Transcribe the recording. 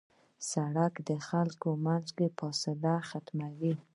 سړک د خلکو منځ کې فاصله ختموي.